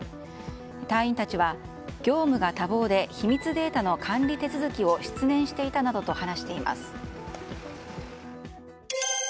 隊員たちは業務が多忙で秘密データの管理手続きを失念していたなどと話しています。